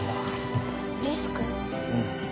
うん。